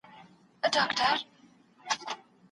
املا د ذهني فعالیتونو د زیاتوالي یو ښه فرصت دی.